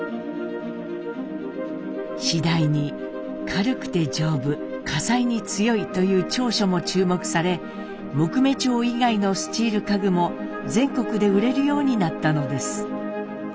次第に「軽くて丈夫」「火災に強い」という長所も注目され木目調以外のスチール家具も全国で売れるようになったのです。